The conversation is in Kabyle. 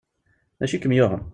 D acu i kem yuɣen?